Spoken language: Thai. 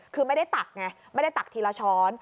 คือไม่ได้ตักไงไม่ได้ตักทีละช้อน